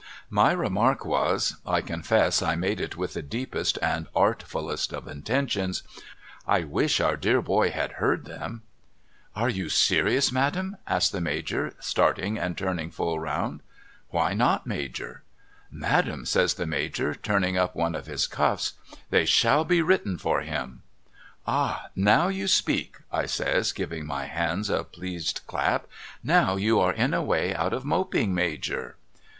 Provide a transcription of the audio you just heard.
My remark was — I confess I made it with the deepest and art fullest of intentions —' I wish our dear boy had heard them !'' Are you serious Madam ?' asks the Major starting and turning full round. ' Why not Major ?'• Madam ' says the Major, turning up one of his cuffs, ' they shall be written for him.' * Ah ! Now you speak ' I says giving my hands a pleased clap. ' Now you are in a way out of moping Major